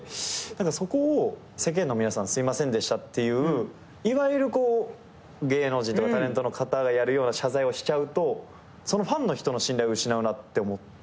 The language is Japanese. そこを世間の皆さんすいませんでしたっていういわゆるこう芸能人とかタレントがやるような謝罪しちゃうとそのファンの人の信頼を失うなって思って。